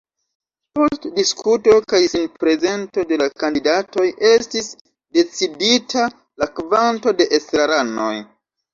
Post diskuto kaj sinprezento de la kandidatoj estis decidita la kvanto de estraranoj.